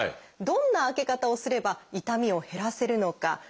どんな開け方をすれば痛みを減らせるのか。